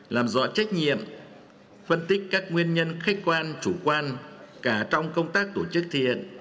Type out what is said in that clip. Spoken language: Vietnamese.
làm rõ trách nhiệm phân tích các nguyên nhân khách quan chủ quan cả trong công tác tổ chức thực hiện